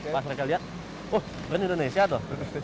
pas mereka lihat oh brand indonesia tuh